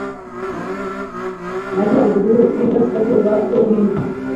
majyaruguru y uburasirazuba bw u buhindi